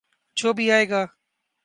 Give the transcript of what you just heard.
جو بھی آئے گا۔